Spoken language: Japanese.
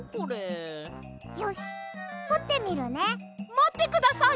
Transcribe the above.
まってください！